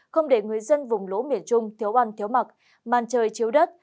không để người dân vùng lũ miền trung thiếu ăn thiếu mặc màn trời chiếu đất